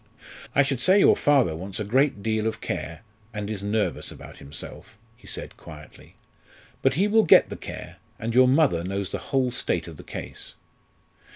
"I should say your father wants a great deal of care and is nervous about himself," he said quietly. "But he will get the care and your mother knows the whole state of the case."